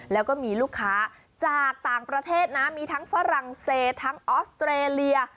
แล้วก็มีลูกค้าจากต่างประเทศนะมีทั้งฝรั่งเศสทั้งออสเตรเลีย